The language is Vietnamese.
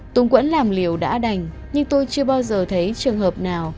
tùng quẫn làm liều đã đành nhưng tôi chưa bao giờ thấy trường hợp nào